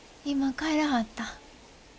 今帰らはった。